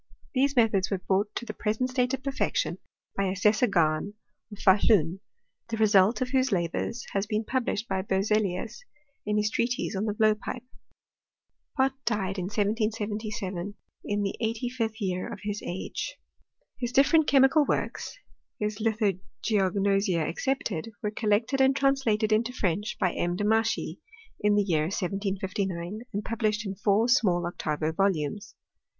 These methods were brought to the present state of perfection by Assessor Gahn, of Fahluji, the [result of whose la bours has been published by Berzelius, in his treatise on the blowpipe. Pott died in 1777, in the eighty fifth year of his age. His different chemical works (his Lithogeognosia ex cepted) were collected and translated into French by M. Demachy, in the year 1759, and published in four small octavo volumes.